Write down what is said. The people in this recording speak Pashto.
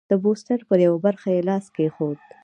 د پوسټر پر یوه برخه یې لاس کېښود.